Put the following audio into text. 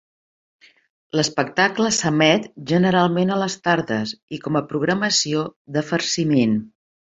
L'espectacle s'emet generalment a les tardes i com a programació de farciment.